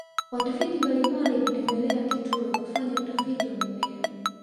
watafiti mbalimbali hutembelea kitulo kufanya utafiti wa mimea